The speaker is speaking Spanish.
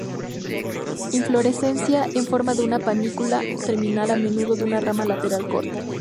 Inflorescencia en forma de una panícula terminal, a menudo en una rama lateral corta.